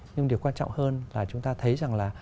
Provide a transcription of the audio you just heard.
nhưng điều quan trọng hơn là chúng ta thấy rằng là